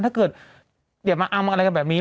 ถ้าเกิดเดี๋ยวมาอำอะไรแบบนี้